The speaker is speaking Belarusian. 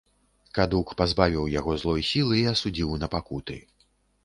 Кадук пазбавіў яго злой сілы і асудзіў на пакуты.